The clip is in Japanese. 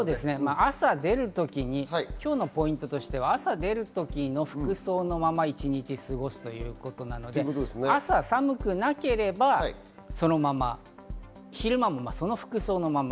朝出るときに今日のポイントとしては、朝出る時の服装のまま一日過ごすということなので、朝寒くなければ、そのまま昼間もその服装のまま。